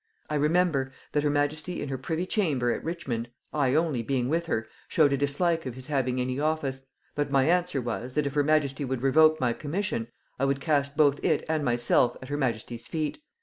I remember, that her majesty in her privy chamber at Richmond, I only being with her, showed a dislike of his having any office; but my answer was, that if her majesty would revoke my commission, I would cast both it and myself at her majesty's feet.